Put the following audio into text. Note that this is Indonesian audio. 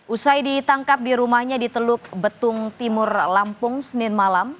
usai ditangkap di rumahnya di teluk betung timur lampung senin malam